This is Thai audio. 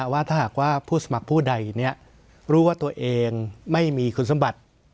ว่าถ้าหากว่าผู้สมัครผู้ใดรู้ว่าตัวเองไม่มีคุณสมบัติ